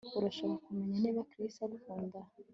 Urashaka kumenya niba Chris agukunda